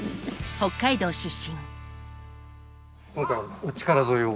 北海道出身。